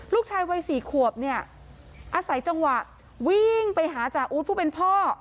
ลูกชายวัย๔ขวบเนี่ยอาศัยจังหวะวิ่งไปหาจ่าอู๊ดผู้เป็นพ่อ